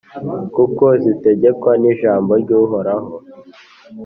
kuko zitegekwa n’ijambo ry’Uhoraho,